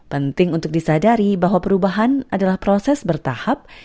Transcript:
penting untuk disadari bahwa perubahan adalah proses bertahap